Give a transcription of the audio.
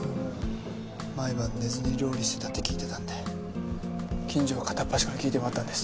毎晩寝ずに料理してたって聞いてたんで近所を片っ端から聞いて回ったんです。